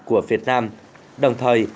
của việt nam đồng thời